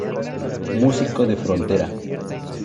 Músico de frontera.